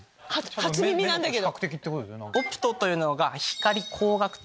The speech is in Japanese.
初耳なんだけど。